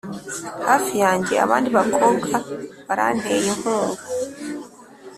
hafi yanjye, abandi bakobwa baranteye inkunga